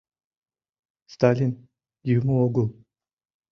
— Сталин юмо огыл!